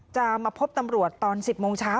จะมาพบตำรวจตอน๑๐โมงเช้า